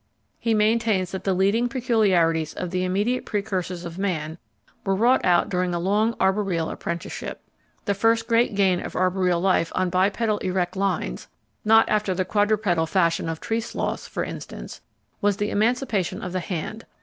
He maintains that the leading peculiarities of the immediate precursors of man were wrought out during a long arboreal apprenticeship. The first great gain of arboreal life on bipedal erect lines (not after the quadrupedal fashion of tree sloths, for instance) was the emancipation of the hand.